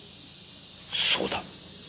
そうだ。